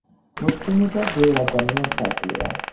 მოთმინება ბევრ ადამიანს აკლია.